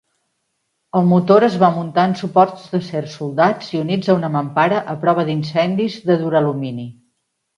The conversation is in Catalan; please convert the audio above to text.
El motor es va muntar en suports d'acer soldats i units a una mampara a prova d'incendis de duralumini.